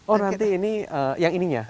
oh nanti ini yang ininya